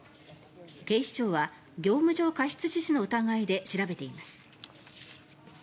警視庁は業務上過失致死の疑いで調べています。